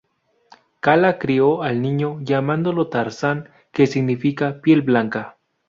Kala cría al niño, llamándolo Tarzán que significa 'piel blanca'.